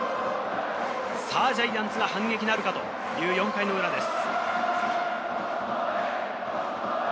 さぁ、ジャイアンツが反撃なるか？という４回の裏です。